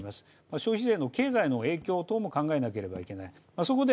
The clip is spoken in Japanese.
消費税の経済への影響等も考えなければいけない